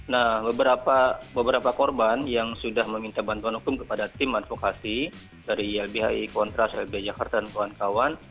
nah beberapa korban yang sudah meminta bantuan hukum kepada tim advokasi dari lbhi kontras lb jakarta dan kawan kawan